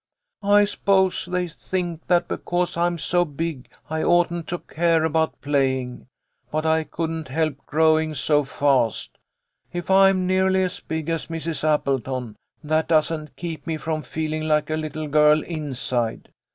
"I s'pose they think that because I'm so big I oughtn't to care about playing ; but I couldn't help growing so fast. If I am nearly as big as Mrs. Appleton, that doesn't keep me from feeling like a little girl inside.